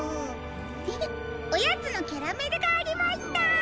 フフおやつのキャラメルがありました！